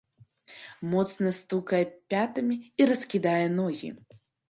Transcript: Моцна стукае пятамі і раскідае ногі.